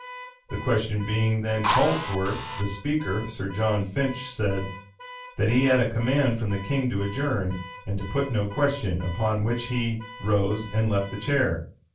The question being then called for, the speaker, Sir John Finch, said, "That he had a command from the king to adjourn, and to put no question;"[*] upon which he rose and left the chair.